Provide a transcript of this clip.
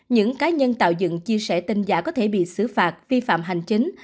những cá nhân tạo dựng chia sẻ tin giả có thể bị xử phạt vi phạm hành chính